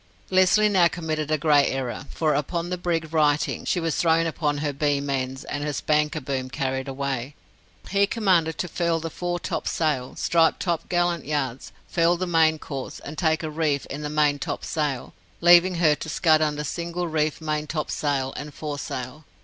"Lesly now committed a great error, for, upon the brig righting (she was thrown upon her beam ends, and her spanker boom carried away), he commanded to furl the fore top sail, strike top gallant yards, furl the main course, and take a reef in the maintopsail, leaving her to scud under single reefed maintopsail and fore sail.